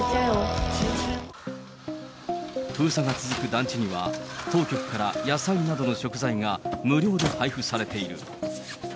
封鎖が続く団地には、当局から野菜などの食材が無料で配布されている。